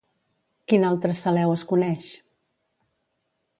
Quin altre Celeu es coneix?